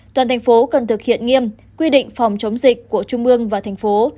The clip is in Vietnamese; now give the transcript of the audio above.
toàn thành phố cần thực hiện nghiêm quy định phòng chống dịch của trung ương và thành phố